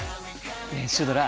ねえシュドラ。